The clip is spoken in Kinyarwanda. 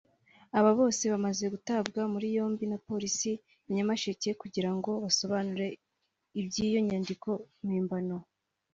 Aba bose bamaze gutabwa muri yombi na Polisi ya Nyamasheke kugira ngo basobanure iby’iyo nyandiko mpimbano